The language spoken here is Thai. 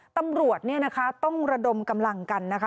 ตำรวจเนี่ยนะคะต้องระดมกำลังกันนะคะ